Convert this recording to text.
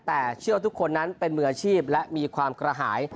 แต่เชื่อว่าทุกคนนั้นเป็นมืออาชีพและมีความกระหาย